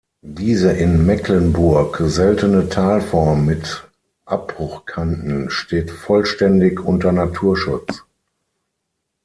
Diese in Mecklenburg seltene Talform mit Abbruchkanten steht vollständig unter Naturschutz.